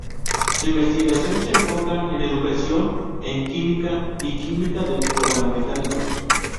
Su investigación se enfoca en educación en Química y química de organometálicos.